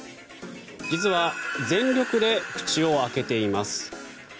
実は全力で口を開けています。